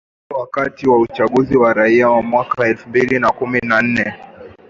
hicho wakati wa uchaguzi wa raia wa mwaka elfu mbili na kumi na nne